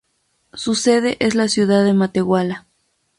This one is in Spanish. Su sede es la ciudad de Matehuala.